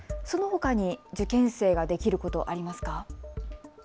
そのほかに受験生ができること、ありますか。